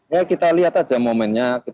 ya kita lihat aja momennya